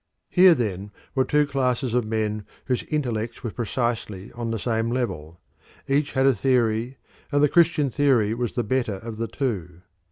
Here then were two classes of men whose intellects were precisely on the same level. Each had a theory, and the Christian theory was the better of the two.